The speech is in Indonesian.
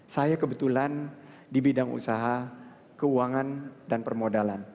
saya kebetulan di bidang usaha keuangan dan permodalan